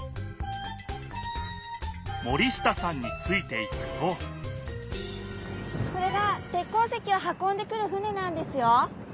森下さんについていくとこれが鉄鉱石を運んでくる船なんですよ。